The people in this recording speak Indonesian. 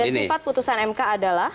dan sifat putusan mk adalah